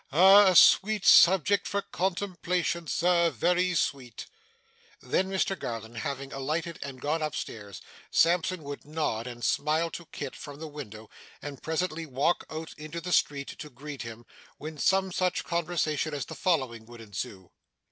Ah! A sweet subject for contemplation, sir, very sweet!' Then Mr Garland having alighted and gone up stairs, Sampson would nod and smile to Kit from the window, and presently walk out into the street to greet him, when some such conversation as the following would ensue.